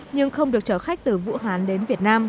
nhưng không được trở khách từ vũ hán đến việt nam